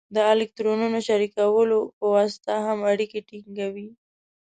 د الکترونونو شریکولو په واسطه هم اړیکې ټینګوي.